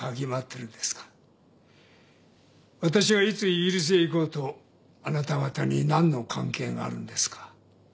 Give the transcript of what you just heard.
私がいつイギリスへ行こうとあなた方に何の関係があるんですか？